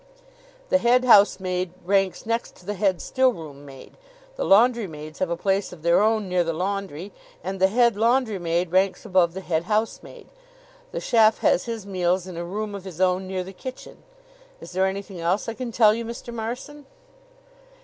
The head housemaid ranks next to the head stillroom maid. The laundry maids have a place of their own near the laundry, and the head laundry maid ranks above the head housemaid. The chef has his meals in a room of his own near the kitchen. Is there anything else I can tell you, Mr. Marson?"